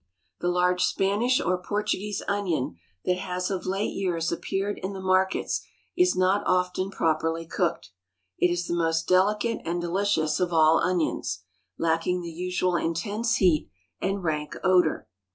The large Spanish or Portuguese onion that has of late years appeared in the markets is not often properly cooked. It is the most delicate and delicious of all onions, lacking the usual intense heat and rank odor.